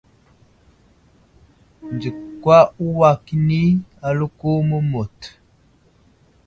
Nzikwa uway kəni aləko məmut.